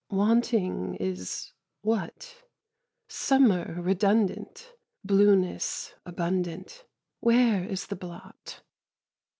Wanting is what? Summer redundant, Blueness abundant, Where is the blot?